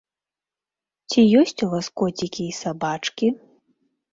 Ці ёсць у вас коцікі і сабачкі?